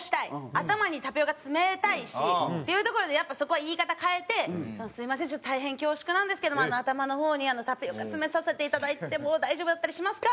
頭にタピオカ詰めたいしっていうところでやっぱそこは言い方変えて「すいません大変恐縮なんですけども頭の方にタピオカ詰めさせて頂いても大丈夫だったりしますか？」